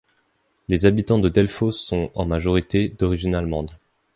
Les habitants de Delphos sont, en majorité, d'origine allemande.